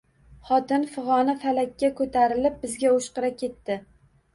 Xotin fig`oni falakka ko`tarilib, bizga o`shqira ketdi